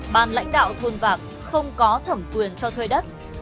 ban lãnh đạo thôn vạc không có thẩm quyền cho thuê đất